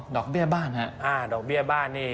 เบี้ยบ้านฮะอ่าดอกเบี้ยบ้านนี่